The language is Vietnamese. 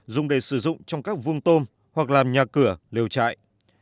dùng để sử dụng trong các vuông tôm hoặc làm nhà cửa liều chạy